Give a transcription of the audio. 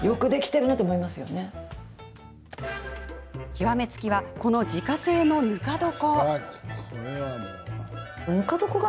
極め付きは、この自家製のぬか床。